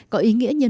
có ý nghĩa nhiều hơn